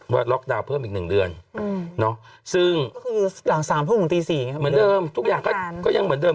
ล็อกดาวน์เพิ่มอีก๑เดือนซึ่งก็คือหลัง๓ทุ่มถึงตี๔เหมือนเดิมทุกอย่างก็ยังเหมือนเดิม